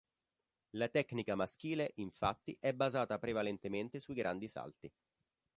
La tecnica maschile, infatti è basata prevalentemente sui grandi salti.